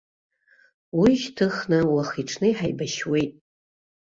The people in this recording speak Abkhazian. Уи шьҭыхны уахи-ҽни ҳаибашьуеит.